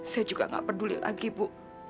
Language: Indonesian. saya juga nggak peduli lagi bu